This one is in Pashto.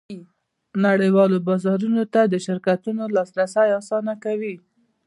نړیوالو بازارونو ته د شرکتونو لاسرسی اسانه کوي